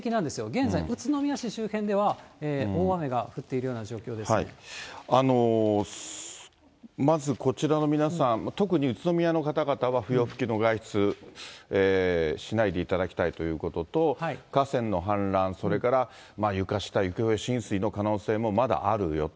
現在、宇都宮市周辺では、大雨がまずこちらの皆さん、特に宇都宮の方々は、不要不急の外出しないでいただきたいということと、河川の氾濫、それから床下、床上浸水の可能性もまだあるよと。